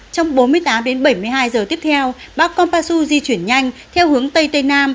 trong bốn mươi tám h bảy mươi hai h tiếp theo bão kompasu di chuyển nhanh theo hướng tây tây